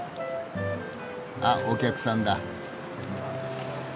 あっお客さんだ。